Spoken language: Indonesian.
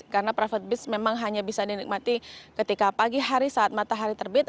karena private beach memang hanya bisa dinikmati ketika pagi hari saat matahari terbit